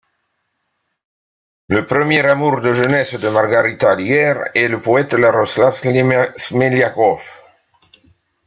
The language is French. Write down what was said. Le premier amour de jeunesse de Margarita Aliguer est le poète Iaroslav Smeliakov.